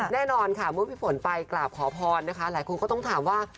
แน่นอนค่ะพี่ฝนไปกลาบขอพรหลายคนก็ต้องถามว่า